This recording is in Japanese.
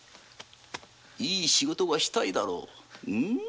いい仕事がしたいだろう？